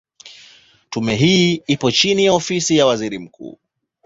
Tume hii ipo chini ya Ofisi ya Waziri Mkuu.